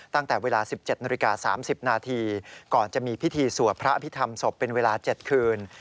ตั้งแต่เวลา๑๗น๓๐นก่อนจะมีพิธีสวพระพิธรรมศพเป็นเวลา๗คืน